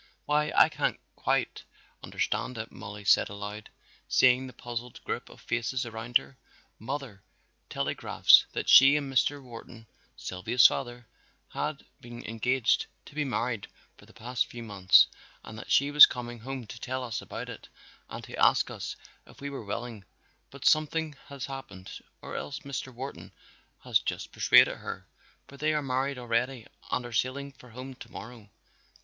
"Why, I can't quite understand it," Mollie said aloud, seeing the puzzled group of faces around her. "Mother telegraphs that she and Mr. Wharton, Sylvia's father, have been engaged to be married for the past few months and that she was coming home to tell us about it and to ask us if we were willing, but something has happened or else Mr. Wharton has just persuaded her, for they are married already and are sailing for home to morrow.